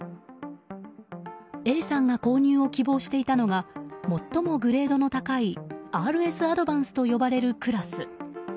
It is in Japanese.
Ａさんが購入を希望していたのがもっともグレードの高いＲＳアドバンスと呼ばれるクラス。